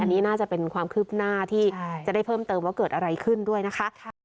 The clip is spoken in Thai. อันนี้น่าจะเป็นความคืบหน้าที่จะได้เพิ่มเติมว่าเกิดอะไรขึ้นด้วยนะคะ